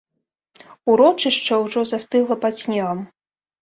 Урочышча ўжо застыгла пад снегам.